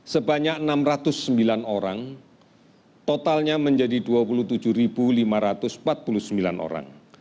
sebanyak enam ratus sembilan orang totalnya menjadi dua puluh tujuh lima ratus empat puluh sembilan orang